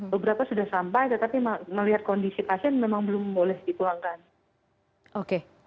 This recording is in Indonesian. beberapa sudah sampai tetapi melihat kondisi pasien memang belum boleh dipulangkan